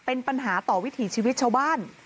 เป็นปัญหาต่อวิถีชีวิตชาวบ้าน